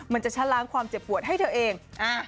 มันจะชะล้างความเจ็บปวดให้เธอเอง